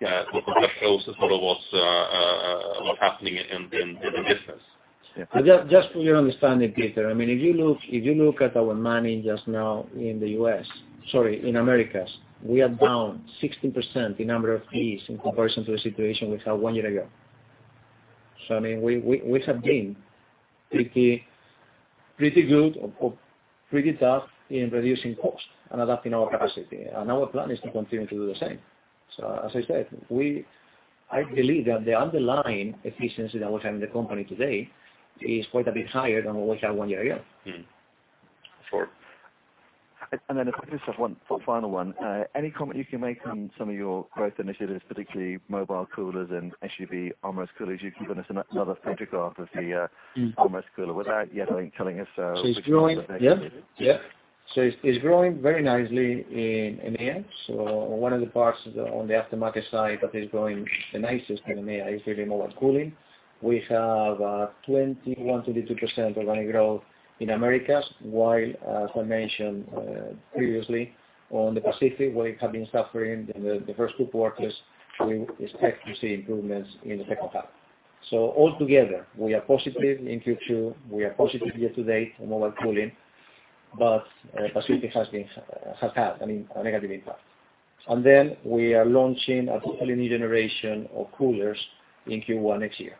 Yeah. That shows sort of what's happening in the business. Just for your understanding, Peter, if you look at our manning just now in the U.S., sorry, in Americas, we are down 16% in number of piece in comparison to the situation we had one year ago. We have been pretty good or pretty tough in reducing cost and adapting our capacity. Our plan is to continue to do the same. As I said, I believe that the underlying efficiency that we have in the company today is quite a bit higher than what we had one year ago. Mm-hmm. Sure. If I could just have one final one. Any comment you can make on some of your growth initiatives, particularly mobile coolers and SUV armor coolers? You've given us another picture of the armor cooler without yet telling us. It's growing. It's growing very nicely in EMEA. One of the parts on the aftermarket side that is growing the nicest in EMEA is really mobile cooling. We have 21%-22% organic growth in Americas, while, as I mentioned previously, on the Pacific, we have been suffering the first two quarters. We expect to see improvements in the second half. Altogether, we are positive in Q2, we are positive year-to-date on mobile cooling. Capacity has had a negative impact. We are launching a totally new generation of coolers in Q1 next year.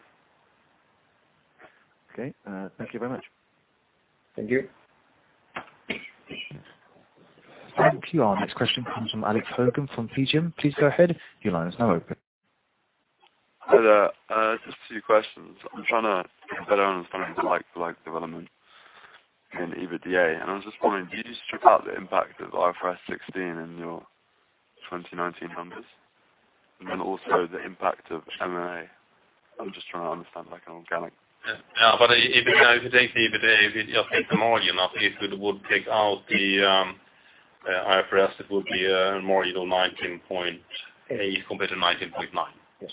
Okay. Thank you very much. Thank you. Thank you. Our next question comes from Alex Hogan from PGIM. Please go ahead. Your line is now open. Hi there. Just two questions. I'm trying to get a better understanding of like-for-like development in EBITDA. I was just wondering, did you strip out the impact of IFRS 16 in your 2019 numbers? Also the impact of M&A. I'm just trying to understand like an organic. If you take the EBITDA, if you take the margin, if we would take out the IFRS, it would be more 19.8 compared to 19.9. Yes.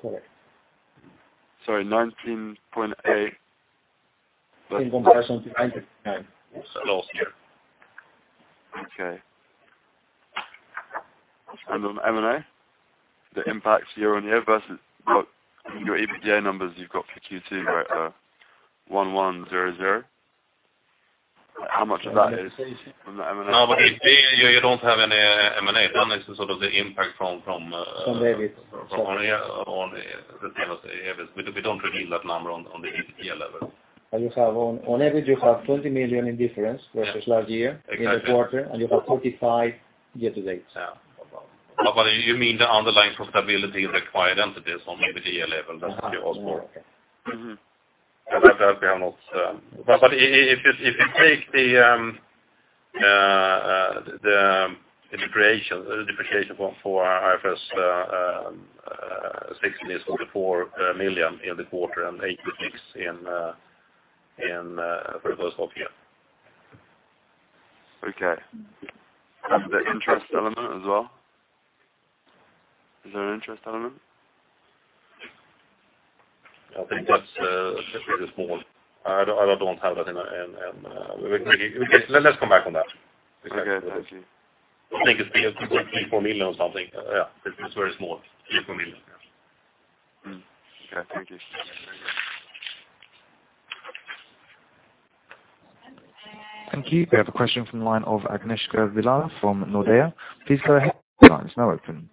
Correct. Sorry, 19.8? In comparison to 2019. Last year. Okay. On M&A, the impact year-over-year versus what your EBITDA numbers you've got for Q2, right, 1,100. How much of that is from the M&A? No, EBITDA, you don't have any M&A. That is the impact from. From the EBITDA. On the EBITDA. We don't reveal that number on the EBITDA level. On EBITDA, you have 20 million in difference versus last year. Exactly In the quarter, you have 35 year to date. Yeah. You mean the underlying profitability in the acquired entities on an EBITDA level that you asked for? That we have not. If you take the depreciation for IFRS 16 is 44 million in the quarter and 86 for the first half year. Okay. The interest element as well? Is there an interest element? I think that's really small. I don't have that. Let's come back on that. Okay. Thank you. I think it's three, four SEK million or something. Yeah. It's very small. Three, four SEK million, yeah. Okay. Thank you. Thank you. We have a question from the line of Agnieszka Vilela from Nordea. Please go ahead, your line is now open.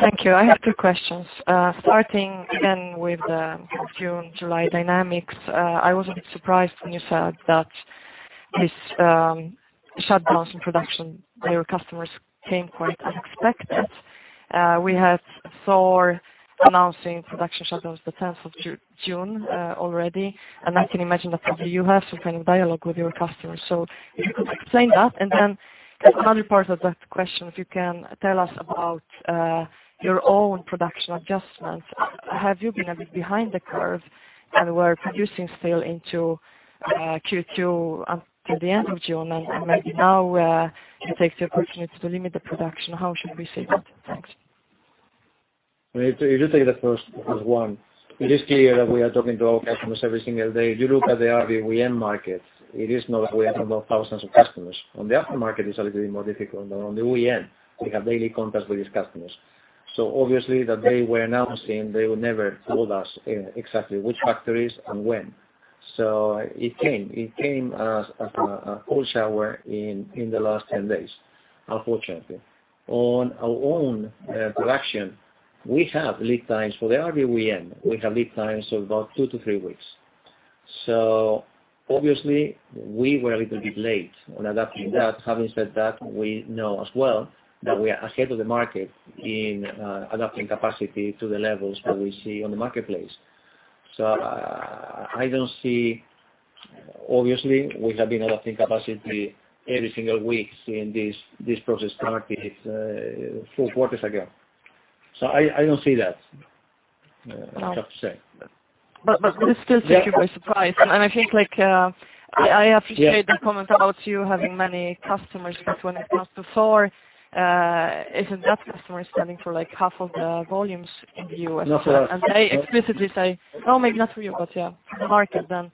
Thank you. I have two questions. Starting again with the June, July dynamics. I was a bit surprised when you said that these shutdowns in production, your customers came quite unexpected. We had Thor announcing production shutdowns the June 10th already, and I can imagine that probably you have some kind of dialogue with your customers. If you could explain that, and then as another part of that question, if you can tell us about your own production adjustments. Have you been a bit behind the curve and were producing still into Q2 until the end of June and maybe now you take the opportunity to limit the production? How should we see that? Thanks. If you take the first one. This year, we are talking to our customers every single day. If you look at the RV OEM market, it is not like we have thousands of customers. On the after-market, it's a little bit more difficult, but on the OEM, we have daily contacts with these customers. Obviously that they were announcing, they would never told us exactly which factories and when. It came as a cold shower in the last 10 days, unfortunately. On our own production, we have lead times for the RV OEM, we have lead times of about two to three weeks. Obviously we were a little bit late on adapting that. Having said that, we know as well that we are ahead of the market in adapting capacity to the levels that we see on the marketplace. Obviously, we have been adapting capacity every single week in this process throughout the four quarters ago. I don't see that, I have to say. This still took you by surprise. I think I appreciate the comment about you having many customers because when it comes to Thor, isn't that customer standing for half of the volumes in the U.S.? No. They explicitly say Oh, maybe not for you, but yeah, the market then.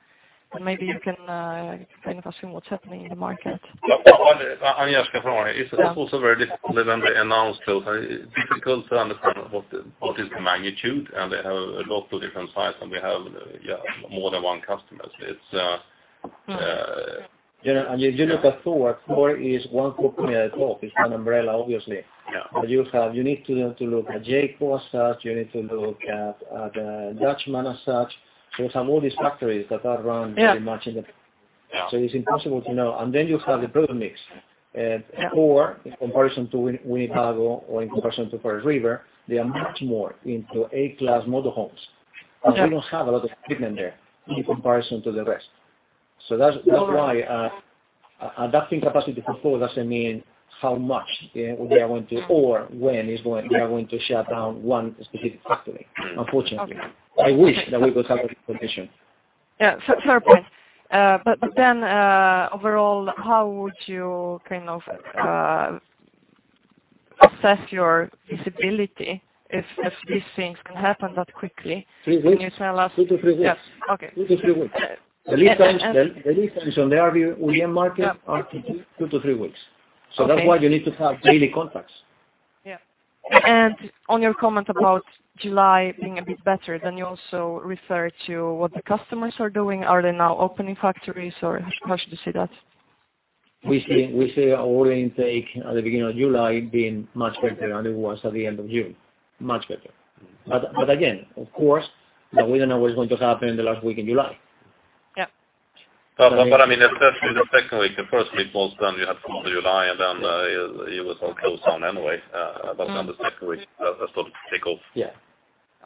Maybe you can kind of assume what's happening in the market. Agnieszka, it's also very difficult when they announce those. Difficult to understand what is the magnitude, and they have a lot of different size than we have, more than one customer. You look at Thor. Thor is one company at the top. It's an umbrella, obviously. Yeah. You need to look at Jayco as such. You need to look at the Dutchman as such. You have all these factories that are run very much independent. It's impossible to know. Then you have the product mix. Thor, in comparison to Winnebago or in comparison to Forest River, they are much more into A-class motor homes. We don't have a lot of equipment there in comparison to the rest. That's why adapting capacity for Thor doesn't mean how much they are going to, or when they are going to shut down one specific factory, unfortunately. Okay. I wish that we could have that information. Yeah. Fair point. Overall, how would you kind of assess your visibility if these things can happen that quickly? Can you tell us? Two to three weeks. Yes. Okay. Two to three weeks. The lead times on the RV OEM market are two to three weeks. That's why you need to have daily contacts. Yeah. On your comment about July being a bit better, you also refer to what the customers are doing. Are they now opening factories, or how should you see that? We see our order intake at the beginning of July being much better than it was at the end of June, much better. Again, of course, we don't know what's going to happen in the last week in July. Yeah. Especially the second week. The first week was done. You had some of July, then it was all closed down anyway. Then the second week, that's sort of take off. Yeah.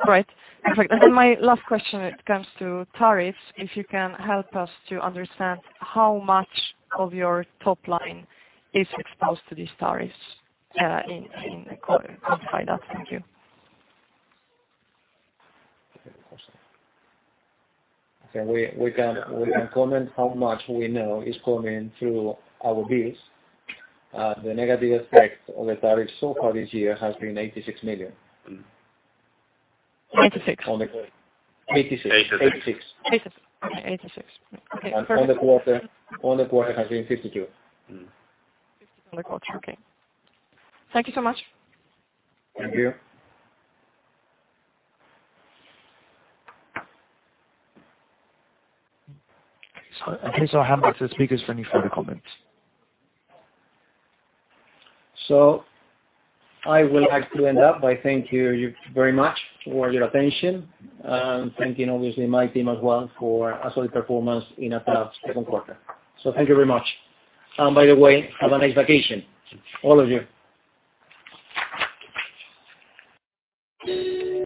Right. Perfect. My last question, it comes to tariffs. If you can help us to understand how much of your top line is exposed to these tariffs in the quarter. Could you clarify that? Thank you. Okay. We can comment how much we know is coming through our bills. The negative effect of the tariffs so far this year has been 86 million. SEK 96 million? 86 million. 86 million. 86 million. Okay, 86 million. Okay, perfect. On the quarter has been 52 million. 52 million on the quarter. Okay. Thank you so much. Thank you. Okay. I hand back to the speakers for any further comments. I would like to end up by thank you very much for your attention. Thanking obviously my team as well for a solid performance in a tough second quarter. Thank you very much. By the way, have a nice vacation, all of you.